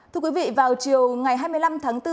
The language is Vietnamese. thưa quý vị vào chiều ngày hai mươi năm tháng bốn